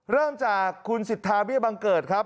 เริ่มจากคุณสิทธาวิบังเกิด